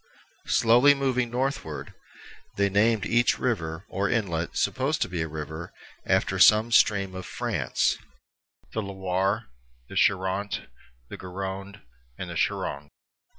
Slowly moving northward, they named each river, or inlet supposed to be a river, after some stream of France, the Loire, the Charente, the Garonne, the Gironde.